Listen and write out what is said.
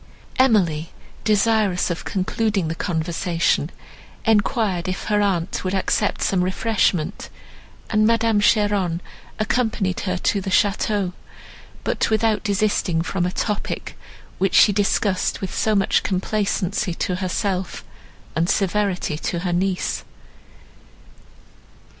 Emily, desirous of concluding the conversation, enquired if her aunt would accept some refreshment, and Madame Cheron accompanied her to the château, but without desisting from a topic, which she discussed with so much complacency to herself, and severity to her niece.